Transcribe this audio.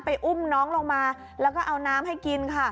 อุ้มน้องลงมาแล้วก็เอาน้ำให้กินค่ะ